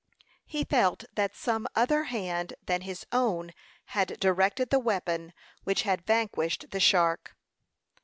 He felt that some other hand than his own had directed the weapon which had vanquished the shark.